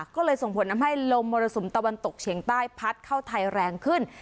ก็เลยส่งผลทำให้ลมมรสุมตะวันตกเฉียงใต้พัดเข้าไทยแรงขึ้น